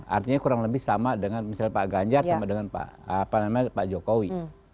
artinya kurang lebih sama dengan misalnya pak ganjar sama dengan pak jokowi